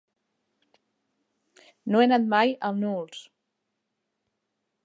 No he anat mai a Nules.